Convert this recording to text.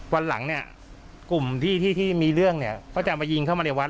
วันหลังกลุ่มที่มีเรื่องเขาจะมายิงเข้ามาในวัด